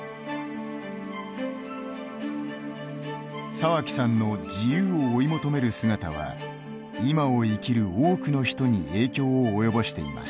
沢木さんの自由を追い求める姿は今を生きる多くの人に影響を及ぼしています。